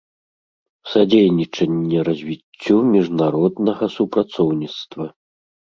Садзейнiчанне развiццю мiжнароднага супрацоўнiцтва.